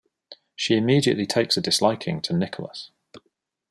She immediately takes a disliking to Nicholas.